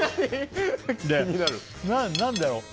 何だろう。